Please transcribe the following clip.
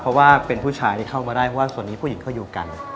เพราะว่าเป็นผู้ชายที่เข้ามาได้เพราะว่าส่วนนี้ผู้หญิงเขาอยู่กัน